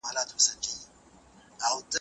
یو لوی ډنډ وو تر سایو د ونو لاندي